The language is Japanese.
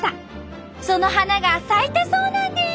その花が咲いたそうなんです！